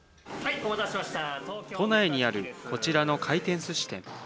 都内にあるこちらの回転すし店。